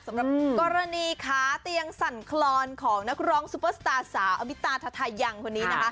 สำหรับกรณีขาเตียงสั่นคลอนของนักร้องซุปเปอร์สตาร์สาวอมิตาทาทายังคนนี้นะคะ